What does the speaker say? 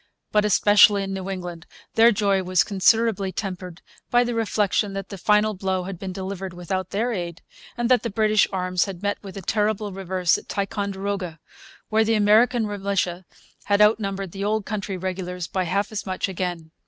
But, especially in New England, their joy was considerably tempered by the reflection that the final blow had been delivered without their aid, and that the British arms had met with a terrible reverse at Ticonderoga, where the American militia had outnumbered the old country regulars by half as much again.